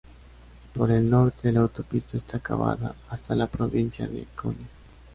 Por el norte, la autopista está acabada hasta la provincia de Konya.